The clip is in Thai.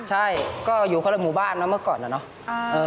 ใช่ก็อยู่คนละหมู่บ้านนะเมื่อก่อนอะเนาะ